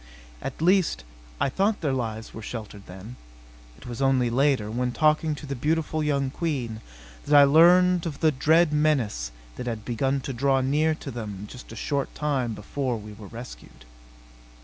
At least I thought their lives were sheltered then. It was only later, when talking to the beautiful young Queen, that I learned of the dread menace that had begun to draw near to them just a short time before we were rescued....